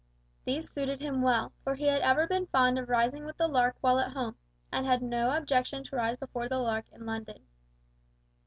These suited him well, for he had ever been fond of rising with the lark while at home, and had no objection to rise before the lark in London.